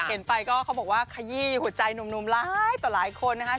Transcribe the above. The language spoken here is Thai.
เห็นไปก็เขาบอกว่าขยี้หัวใจหนุ่มหลายต่อหลายคนนะคะ